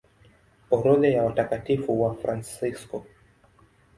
Orodha ya Watakatifu Wafransisko